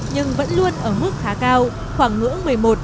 nhưng vẫn luôn ở mức khá cao khoảng ngưỡng một mươi một